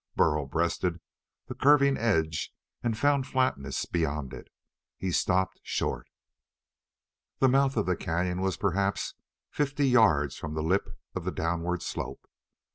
Burl breasted the curving edge and found flatness beyond it. He stopped short. The mouth of the cañon was perhaps fifty yards from the lip of the downward slope.